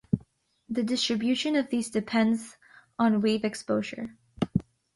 The distribution of these depends on wave exposure.